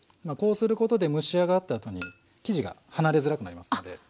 こうすることで蒸し上がったあとに生地が離れづらくなりますので。